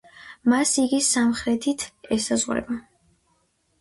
მას იგი სამხრეთით ესაზღვრება.